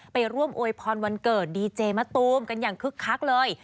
ไปร่วมอวยพรวันเกิดดีเจมะตูมกันอย่างคึกคักเลย